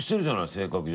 性格上。